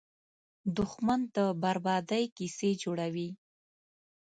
دښمن د بربادۍ کیسې جوړوي